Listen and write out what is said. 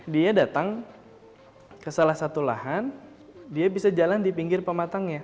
dia datang ke salah satu lahan dia bisa jalan di pinggir pematangnya